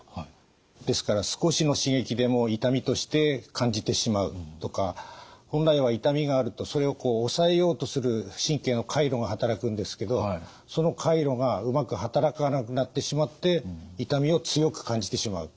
ですから少しの刺激でも痛みとして感じてしまうとか本来は痛みがあるとそれを抑えようとする神経の回路が働くんですけどその回路がうまく働かなくなってしまって痛みを強く感じてしまうということがあります。